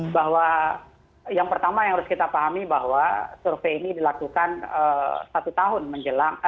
bahwa yang pertama yang harus kita pahami bahwa survei ini dilakukan satu tahun menjelang